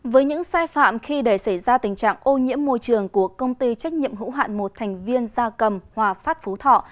với những sai phạm khi để xảy ra tình trạng ô nhiễm môi trường của công ty trách nhiệm hữu hạn một thành viên gia cầm hòa phát phú thọ